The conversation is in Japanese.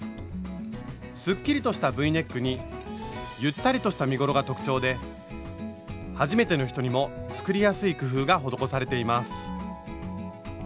すっきりとしたＶネックにゆったりとした身ごろが特徴ではじめての人にも作りやすい工夫が施されています。